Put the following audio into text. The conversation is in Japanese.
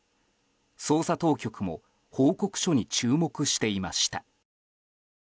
捜査当局も報告書に注目していました。